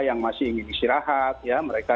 yang masih ingin istirahat ya mereka